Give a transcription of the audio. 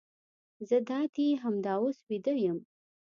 زه دادي همدا اوس بیده یم.